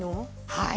はい。